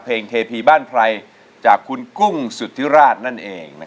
เทพีบ้านไพรจากคุณกุ้งสุธิราชนั่นเอง